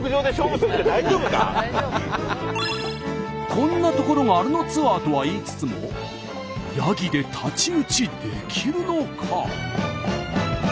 こんなところがあるのツアーとは言いつつもやぎで太刀打ちできるのか？